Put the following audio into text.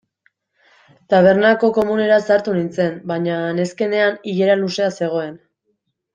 Tabernako komunera sartu nintzen baina neskenean ilara luzea zegoen.